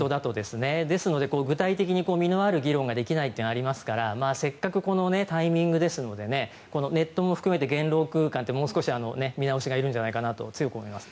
ですので具体的に実のある議論ができないというのがありますからせっかくこのタイミングですのでネットも含めて言論空間ってもう少し見直しがいるんじゃないかと強く思います。